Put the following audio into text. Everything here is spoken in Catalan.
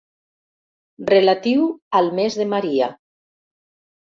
Relatiu al mes de Maria.